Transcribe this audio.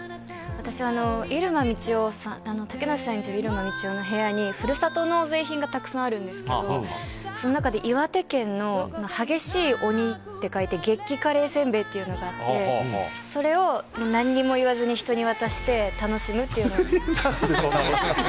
私、竹野内さん演じる入間みちおの部屋にふるさと納税品がたくさんあるんですけどその中で岩手県の激しい鬼って書いて激辛おせんべいってのがあってそれを何も言わずに人に渡して楽しむというのを。